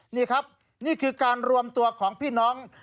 นี่ครับนี่คือการรวมตัวของพี่น้อง